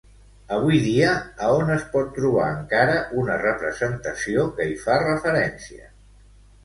Avui dia, a on es pot trobar encara una representació que hi fa referència?